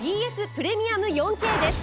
プレミアム４Ｋです。